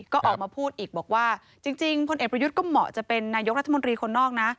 ก็ออกมาพูดอีกบอกว่าจริงพลเอกประยุทธ์ก็เหมาะจะเป็นนายกรัฐมนตรีคนนอกนะ